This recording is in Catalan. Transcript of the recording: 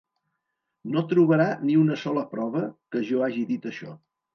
No trobarà ni una sola prova que jo hagi dit això.